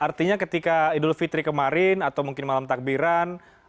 artinya ketika idul fitri kemarin atau mungkin malam takbiran